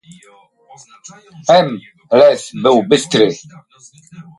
"M. Les był bystry."